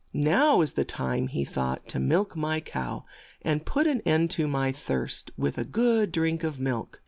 "Now is the time," he thought, "to milk my cow, and put an end to my thirst with a good drink of milk."